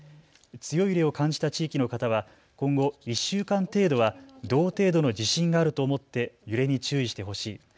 強い揺れを感じた地域の方は今後１週間程度は同程度の地震があると思って揺れに注意してほしい。